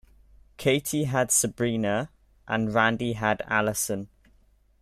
Katie had Sabrina, and Randy had Allison.